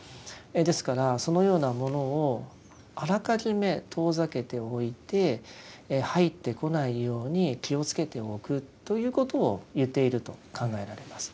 ですからそのようなものをあらかじめ遠ざけておいて入ってこないように気をつけておくということを言っていると考えられます。